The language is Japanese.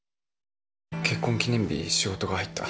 結婚記念日、仕事が入った。